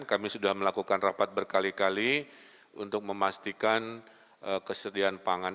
kami sudah melakukan rapat berkali kali untuk memastikan kesediaan pangan